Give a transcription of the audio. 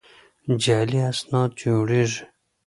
جعلي اسناد جوړېږي.